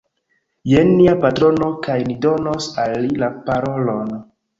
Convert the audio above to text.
Jen nia patrono, kaj ni donos al li la parolon